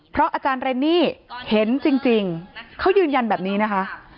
เพราะอาจารย์เรนนี่เห็นจริงเขายืนยันแบบนี้นะคะ